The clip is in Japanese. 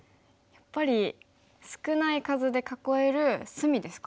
やっぱり少ない数で囲える隅ですか？